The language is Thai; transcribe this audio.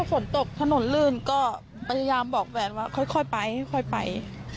ฝนตกถนนลื่นก็พยายามบอกแฟนว่าค่อยไปค่อยไป